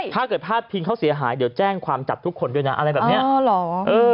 ถ้าเกิดภาพิงเขาเสียหายเดี๋ยวแจ้งความจับทุกคนด้วยนะอะไรแบบนี้